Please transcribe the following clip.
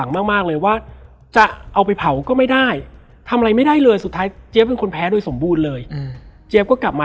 ผมจะถามว่าคุณเจี๊ยบ